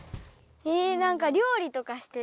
えなんかりょう理とかしてた？